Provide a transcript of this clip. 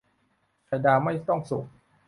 ไข่ดาวไม่ต้องสุก